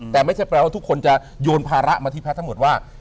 แต่ไม่ใช่แปลว่าทุกคนจะโยนภาระมาที่แพทย์ทั้งหมดว่า